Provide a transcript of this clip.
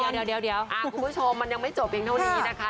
เดี๋ยวคุณผู้ชมมันยังไม่จบเพียงเท่านี้นะคะ